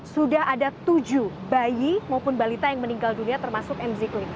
sudah ada tujuh bayi maupun balita yang meninggal dunia termasuk mzikli